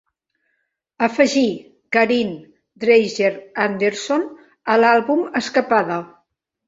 afegir Karin Dreijer Andersson a l"àlbum Escapada